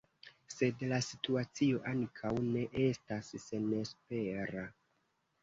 Sed la situacio ankaŭ ne estas senespera.